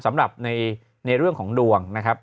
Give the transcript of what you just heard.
สำหรับในเรื่องของดวงนะครับ